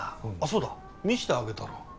そうだ見せてあげたら？